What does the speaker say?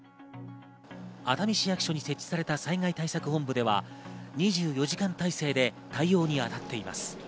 熱海市役所に設置された災害対策本部では２４時間体制で対応に当たっています。